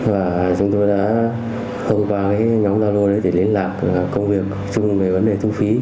và chúng tôi đã hướng qua nhóm giao lô để liên lạc công việc chung về vấn đề thu phí